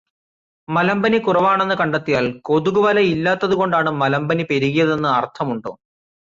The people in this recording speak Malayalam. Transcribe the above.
മലമ്പനി കുറവാണെന്നു കണ്ടെത്തിയാൽ കൊതുകുവലയില്ലാത്തതുകൊണ്ടാണ് മലമ്പനി പെരുകിയതെന്ന് അർഥമുണ്ടോ?